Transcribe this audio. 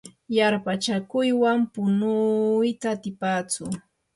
yarpachakuywan punuyta atipatsu.